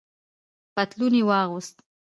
پتلون یې واغوست.